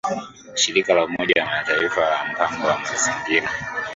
shirika la Umoja wa Mataifa la mpango wa mazingira